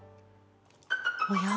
おや？